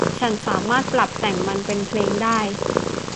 ฉันสามารถปรับแต่งมันเป็นเพลงได้